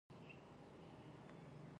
نه غواړم د هغه ناسمه استازولي وکړم.